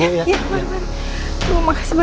mari bu permisi ya bu